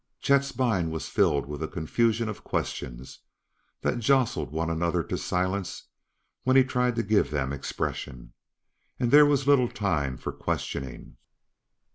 Chet's mind was filled with a confusion of questions that jostled one another to silence when he tried to give them expression. And there was little time for questioning.